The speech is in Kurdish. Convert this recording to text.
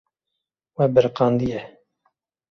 Wê biriqandiye.